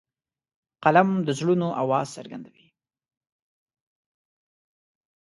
قلم د زړونو آواز څرګندوي